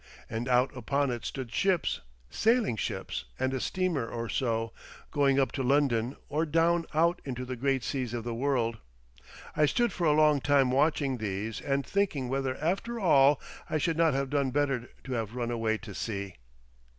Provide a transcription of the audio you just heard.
And out upon it stood ships, sailing ships and a steamer or so, going up to London or down out into the great seas of the world. I stood for a long time watching these and thinking whether after all I should not have done better to have run away to sea.